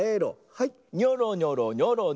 はい。